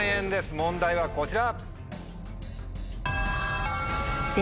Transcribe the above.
問題はこちら。